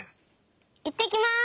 いってきます！